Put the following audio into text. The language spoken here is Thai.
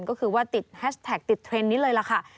ก็คือว่าติดแฮชแท็กติดเทรนด์นี้เลยล่ะค่ะ